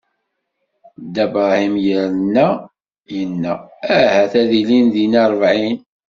Dda Bṛahim yerna yenna: Ahat ad ilin dinna ṛebɛin?